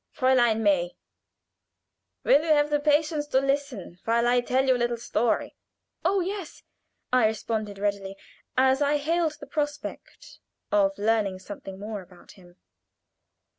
"Fräulein May, will you have the patience to listen while I tell you a little story?" "Oh, yes!" I responded, readily, as I hailed the prospect of learning something more about him.